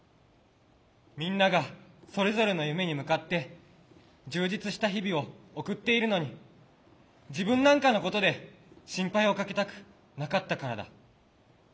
みんながそれぞれの夢に向かって充実した日々を送っているのに自分なんかのことで心配をかけたくなかったからだ。